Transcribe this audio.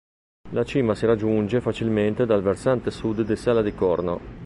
La cima si raggiunge facilmente dal versante sud di Sella di Corno.